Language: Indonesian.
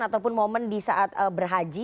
ataupun momen di saat berhaji